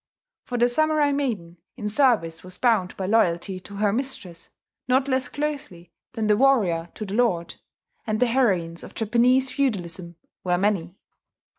For the samurai maiden in service was bound by loyalty to her mistress not less closely than the warrior to the lord; and the heroines of Japanese feudalism were many.